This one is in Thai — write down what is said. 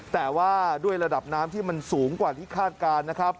แต่ว่าด้วยระดับน้ำที่มันสูงกว่าที่คาดการณ์นะครับ